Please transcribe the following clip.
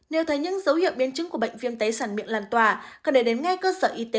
nếu thấy những dấu hiệu biến chứng của bệnh viêm tay sản miệng lan tỏa cần để đến ngay cơ sở y tế